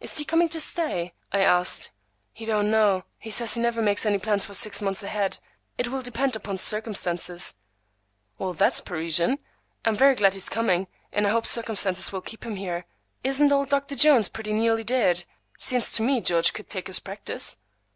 "Is he coming to stay?" I asked. "He don't know. He says he never makes any plans for six months ahead. It will depend upon circumstances." "Well, that's Parisian. I'm very glad he's coming, and I hope circumstances will keep him here. Isn't old Dr. Jones pretty nearly dead? Seems to me George could take his practice."